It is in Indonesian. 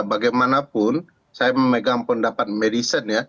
bagaimanapun saya memegang pendapat medicine ya